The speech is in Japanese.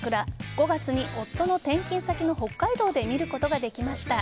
５月に夫の転勤先の北海道で見ることができました。